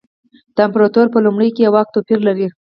د امپراتورۍ په لومړیو کې یې واک توپیر لري.